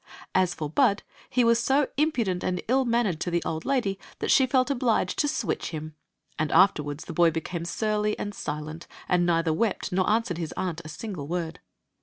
As for Bud, he was so impudent and ill mannered to the old lady that she felt obliged to switch him ; and afterward the boy became surly and silent, and neither wept nor answered his aunt a sin^e word.